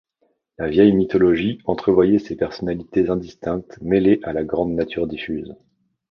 La vieille mythologie entrevoyait ces personnalités indistinctes mêlées à la grande nature diffuse.